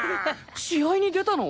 試合に出たの？